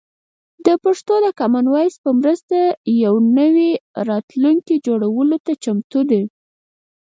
پښتو د کامن وایس په مرسته د یو نوي راتلونکي جوړولو ته چمتو ده.